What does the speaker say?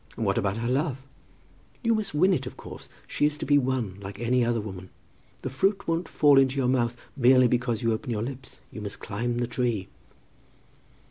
"And what about her love?" "You must win it, of course. She is to be won, like any other woman. The fruit won't fall into your mouth merely because you open your lips. You must climb the tree."